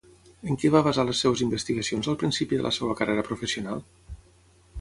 En què va basar les seves investigacions al principi de la seva carrera professional?